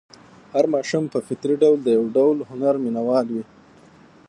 هر ماشوم په فطري ډول د یو ډول هنر مینه وال وي.